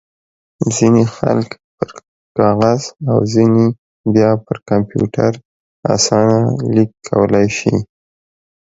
ځينې خلک پر کاغذ او ځينې بيا پر کمپيوټر اسانه ليک کولای شي.